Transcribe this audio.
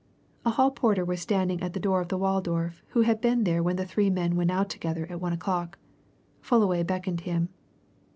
A hall porter was standing at the door of the Waldorf who had been there when the three men went out together at one o'clock. Fullaway beckoned him.